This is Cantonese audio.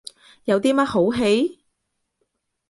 有啲乜好戯？